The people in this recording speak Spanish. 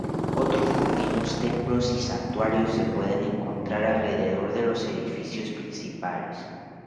Otros pequeños templos y santuarios se pueden encontrar alrededor de los edificios principales.